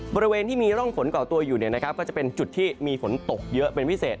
บริเวณที่มีร่องฝนก่อตัวอยู่ก็จะเป็นจุดที่มีฝนตกเยอะเป็นพิเศษ